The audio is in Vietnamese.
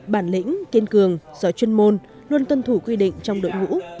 bản lĩnh kiên cường giỏi chuyên môn luôn tuân thủ quy định trong đội ngũ